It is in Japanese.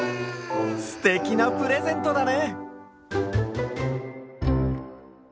すてきなプレゼントだね！